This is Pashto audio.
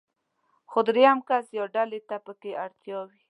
خو درېم کس يا ډلې ته پکې اړتيا وي.